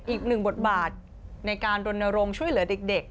อีก๑บทบาทในการดนรงช่วยเหลือเด็ก